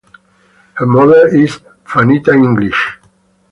Her mother is Fanita English.